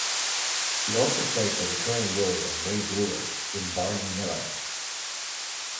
He also played the recurring role of Ray Brewer in "Barney Miller".